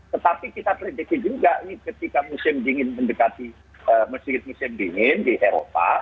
tetapi kita prediksi juga ketika musim dingin mendekati musim dingin di eropa